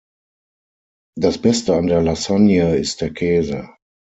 Das beste an der Lasagne ist der Käse.